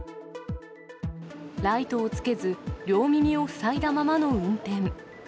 ライトをつけず、両耳を塞いだままの運転。